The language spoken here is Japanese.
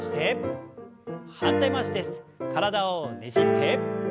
体をねじって。